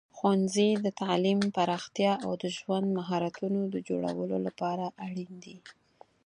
ښوونځي د تعلیم پراختیا او د ژوند مهارتونو د جوړولو لپاره اړین دي.